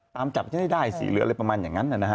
ตามจับจะได้ได้สิหรืออะไรประมาณอย่างนั้นนะฮะ